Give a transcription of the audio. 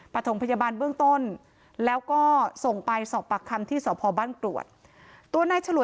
ประถงพยาบาลเบื้องต้น